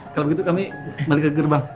kalau begitu kami balik ke gerbang